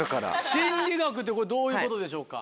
心理学ってこれどういうことでしょうか？